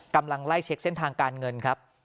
กำลังไล่เช็คเส้นทางการเงินครับ